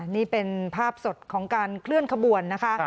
นี่เป็นภาพสดของการเคลื่อนขบวนนะคะ